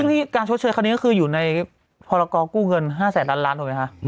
ซึ่งการชดเชิญค่อนี้คืออยู่ในพรคกู้เงิน๕๐๐ล้านตัวไหมฮะ